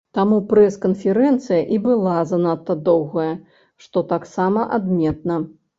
Таму прэс-канферэнцыя і была занадта доўгая, што таксама адметна.